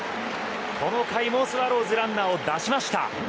この回もスワローズランナーを出しました。